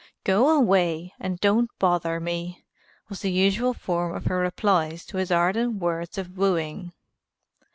"Go away and don't bother me," was the usual form of her replies to his ardent words of wooing.